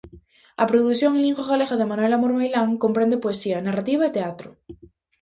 A produción en lingua galega de Manuel Amor Meilán comprende poesía, narrativa e teatro.